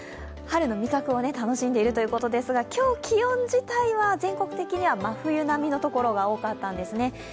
春の味覚を楽しんでいるということですが、今日、気温自体は全国的には真冬並みのところが多かったんですね。